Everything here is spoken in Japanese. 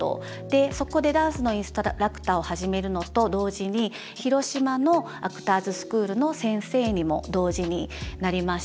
そこでダンスのインストラクターを始めるのと同時に広島のアクターズスクールの先生にも同時になりました。